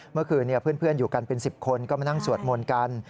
เมื่อคืนเพื่อนอยู่กันเป็น๑๐คนก็มานั่งสวดมนต์กัน